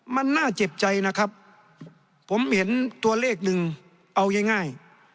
มันน่าเจ็บใจนะครับผมเห็นตัวเลขหนึ่งเอาง่าย